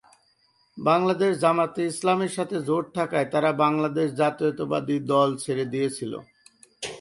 বাংলাদেশ জামায়াত-ই-ইসলামীর সাথে জোট থাকায় তারা বাংলাদেশ জাতীয়তাবাদী দল ছেড়ে দিয়েছিল।